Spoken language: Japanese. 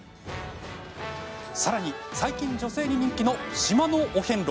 さらに、最近女性に人気の島のお遍路。